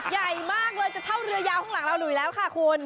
ใหญ่มากเลยจะเท่าเรือยาวข้างหลังเราหลุยแล้วค่ะคุณ